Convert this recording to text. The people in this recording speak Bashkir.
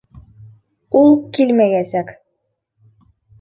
Ул килмәйәсәк.